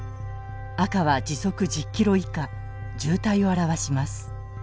赤は時速１０キロ以下渋滞を表します。